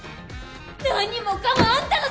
何もかもあんたのせいだ！